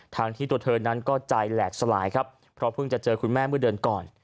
ทั้งที่ตัวเธอนั้นใจแหลกสลายเพราะเผื่อเจอคุณแม่เมื่อเดินก่อน